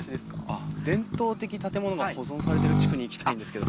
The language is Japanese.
あっ伝統的建物が保存されてる地区に行きたいんですけど。